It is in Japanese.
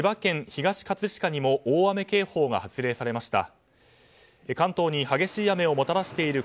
東葛飾にも大雨警報が発令されました。